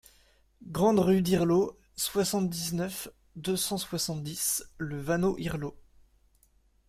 Grande Rue d'Irleau, soixante-dix-neuf, deux cent soixante-dix Le Vanneau-Irleau